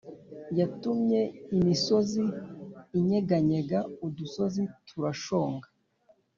Yatumye imisozi inyeganyega udusozi turashonga